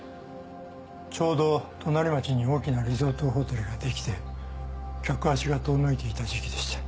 ちょうど隣町に大きなリゾートホテルが出来て客足が遠のいていた時期でして。